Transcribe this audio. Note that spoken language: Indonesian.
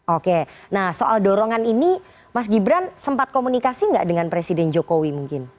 oke nah soal dorongan ini mas gibran sempat komunikasi nggak dengan presiden jokowi mungkin